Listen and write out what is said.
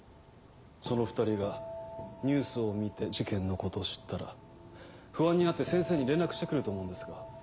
その２人がニュースを見て事件のことを知ったら不安になって先生に連絡して来ると思うんですが。